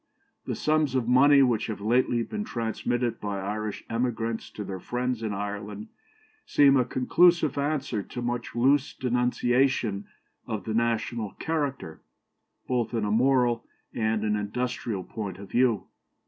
The sums of money which have lately been transmitted by Irish emigrants to their friends in Ireland seem a conclusive answer to much loose denunciation of the national character, both in a moral and an industrial point of view....